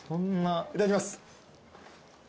いただきます。